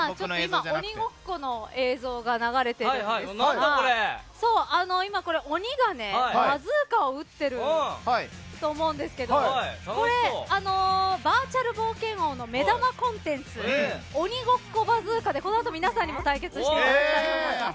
鬼ごっこの映像が流れているんですが今、鬼がバズーカを撃っていると思うんですけどもバーチャル冒険王の目玉コンテンツ「鬼ごっこバズーカ」でこの後皆さんにも対決していただきます。